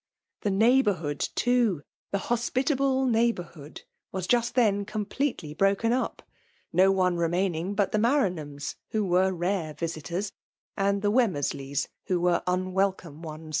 The neighbourhood, too, — ^the hospitable Beighbourhood — was just then completely broken up c no one remaining but the ^MaraAr hfooB, who were rare visitors, and the Wemr mersLeyt, who were unwelcome onesj.